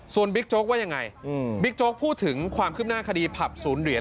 ส่วนบิ๊กโจ๊กว่ายังไงบิ๊กโจ๊กพูดถึงความคืบหน้าคดีผับศูนย์เหรียญ